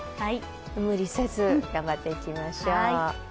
無理せず頑張っていきましょう。